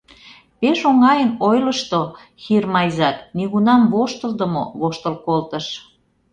Пеш оҥайын ойлышто, Хирм Айзат, нигунам воштылдымо, воштыл колтыш.